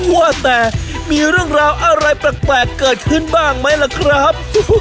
ว่าแต่มีเรื่องราวอะไรแปลกเกิดขึ้นบ้างไหมล่ะครับ